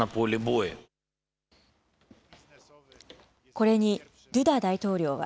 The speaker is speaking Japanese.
これにドゥダ大統領は。